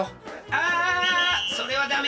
あそれは駄目！